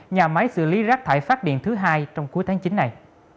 nhà máy xử lý rác thải phát điện thứ hai trong cuối tháng chín này